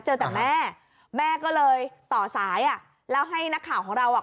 เจอแต่แม่แม่ก็เลยต่อสายอ่ะแล้วให้นักข่าวของเราอ่ะ